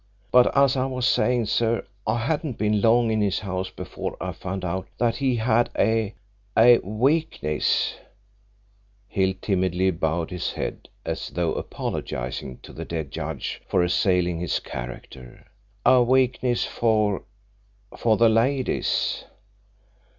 But as I was saying, sir, I hadn't been long in his house before I found out that he had a a weakness " Hill timidly bowed his head as though apologising to the dead judge for assailing his character "a weakness for for the ladies.